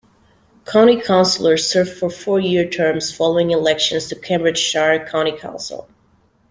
County councillors serve for four year terms following elections to Cambridgeshire County Council.